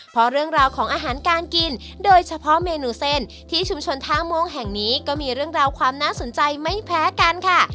เพราะเรื่องราวของอาหารการกินโดยเฉพาะเมนูเส้นที่ชุมชนท่าม่วงแห่งนี้ก็มีเรื่องราวความน่าสนใจไม่แพ้กันค่ะ